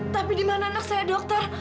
tapi di mana anak saya dokter